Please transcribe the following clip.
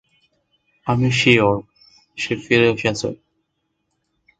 আমি সিউর, সে ফিরে এসেছে!